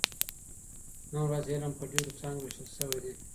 نن ورځ علم په ډېرو څانګو ویشل شوی دی.